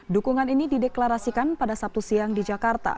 dukungan ini dideklarasikan pada sabtu siang di jakarta